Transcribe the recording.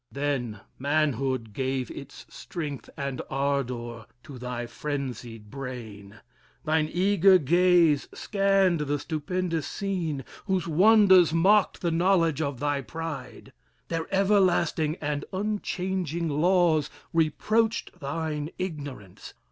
Then manhood gave Its strength and ardor to thy frenzied brain; Thine eager gaze scanned the stupendous scene, Whose wonders mocked the knowledge of thy pride. Their everlasting and unchanging laws Reproached thine ignorance.